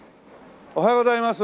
おはようございます。